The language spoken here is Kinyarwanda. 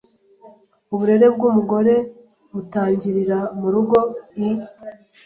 Uburere bw’umugorebutangirira mu rugo i